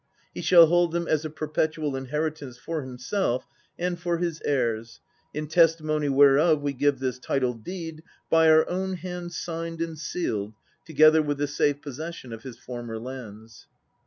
!!' shall hold them as a perpetual inheritance for himself and for his : in testimony whereof we give this title deed, by our own hand signed and sealed, together with the safe possession of his former lands.